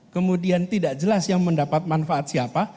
kemudian tidak jelas yang mendapat manfaat siapa